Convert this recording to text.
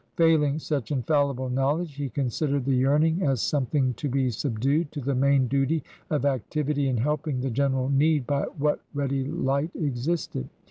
Failing such infallible knowledge, he considered the yearning as something to be subdued to the main duty of activity in helping the general need by what ready light existed.